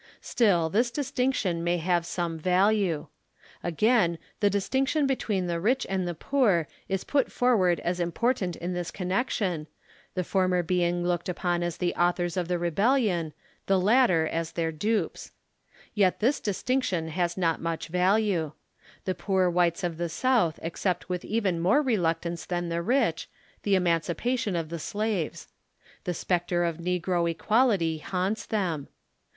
Still this distinction may have some value. Again, the distinction between the rich and the poor is put forward as important in this connection, the former being looked upon as the 10 autliors of the rebellion, the latter as then' dupes. Yet this distinction has not much value. The poor whites of the South accept with even more reluctance than the rich, the emancipation of the slaves. The spectre of negro equality haunts them.